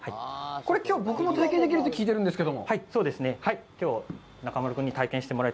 これきょう僕も体験できると聞いているんですけど。